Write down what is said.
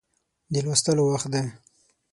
د لوست وخت دی